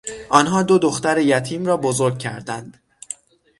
آنها دو دختر یتیم را بزرگ کردند.